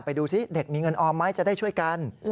ดูสิเด็กมีเงินออมไหมจะได้ช่วยกัน